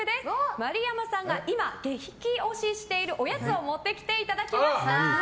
丸山さんが今、激推ししているおやつを持ってきていただきました。